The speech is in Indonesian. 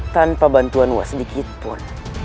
tanpa bantuan uak sedikitpun